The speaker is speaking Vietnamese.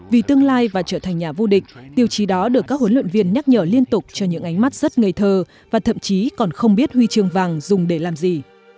vì tương lai và trở thành nhà vô địch tiêu chí đó được các huấn luyện viên nhắc nhở liên tục cho những ánh mắt rất ngây thơ và thậm chí còn không biết huy chương vàng dùng để làm gì